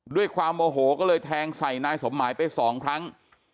ด้วยความโมโหก็เลยแทงใส่นายสมหมายไปสองครั้ง